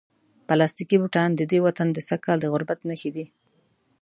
پلاستیکي بوټان د دې وطن د سږکال د غربت نښې دي.